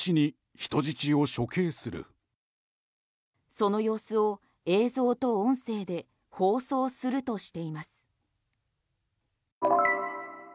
その様子を映像と音声で放送するとしています。